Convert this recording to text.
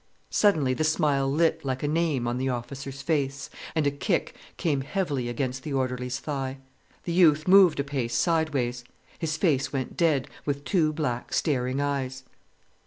Suddenly the smile lit like a name on the officer's face, and a kick came heavily against the orderly's thigh. The youth moved a pace sideways. His face went dead, with two black, staring eyes.